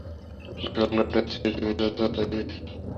বেশি পাগলাটে হচ্ছে, তুমি যা চাও তার বেশিরভাগই নিজের জন্য না।